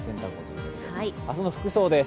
明日の服装です。